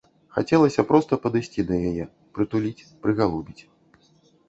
Хацелася проста падысці да яе, прытуліць, прыгалубіць.